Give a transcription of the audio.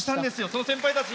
その先輩たち